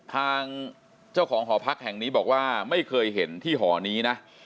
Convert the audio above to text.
ทางเจ้าของหอพักแห่งนี้บอกว่าไม่เคยเห็นที่หอนี้นะ